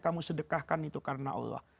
kamu sedekahkan itu karena allah